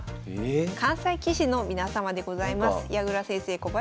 関西棋士の皆様でございます。